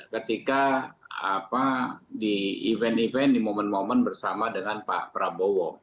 ketika di event event di momen momen bersama dengan pak prabowo